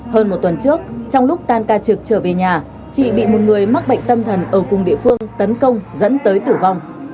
hơn một tuần trước trong lúc tan ca trực trở về nhà chị bị một người mắc bệnh tâm thần ở cùng địa phương tấn công dẫn tới tử vong